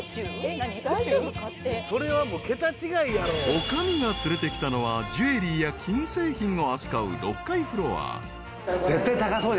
［女将が連れてきたのはジュエリーや金製品を扱う６階フロア］